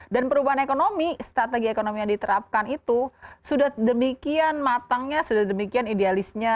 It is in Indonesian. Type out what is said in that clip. dan perubahan ekonomi strategi ekonomi yang diterapkan itu sudah demikian matangnya sudah demikian idealisnya